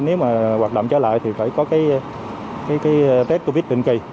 nếu mà hoạt động trở lại thì phải có cái tết covid định kỳ